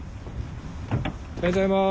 おはようございます。